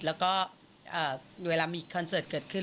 แล้วก็เวลามีคอนเสิร์ตเกิดขึ้น